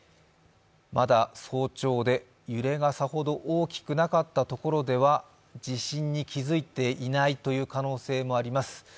まだ、早朝で揺れがさほど大きくなかったところでは地震に気づいていないという可能性もあります。